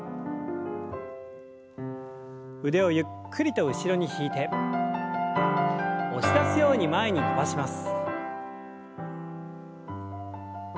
腕をゆっくりと後ろに引いて押し出すように前に伸ばします。